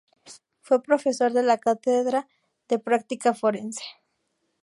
Fue profesor de la cátedra de Práctica Forense.